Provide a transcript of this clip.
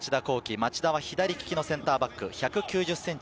町田は左利きのセンターバック、１９０ｃｍ。